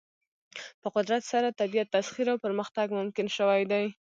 په قدرت سره طبیعت تسخیر او پرمختګ ممکن شوی دی.